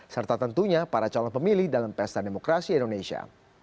serta tentunya para calon pemilih dalam pesta demokrasi indonesia